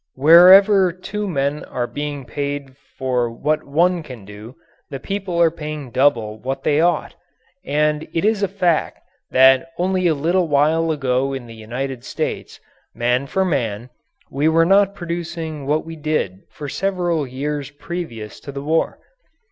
Wherever two men are being paid for what one can do, the people are paying double what they ought. And it is a fact that only a little while ago in the United States, man for man, we were not producing what we did for several years previous to the war.